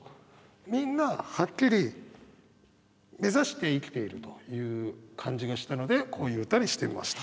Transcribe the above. みんなはっきり目指して生きているという感じがしたのでこういう歌にしてみました。